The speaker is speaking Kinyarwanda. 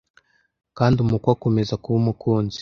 kandi umukwe akomeza kuba umukunzi